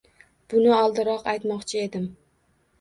Buni oldinroq aytmoqchi edim